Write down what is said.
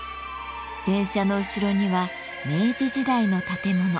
電車の後ろには明治時代の建物。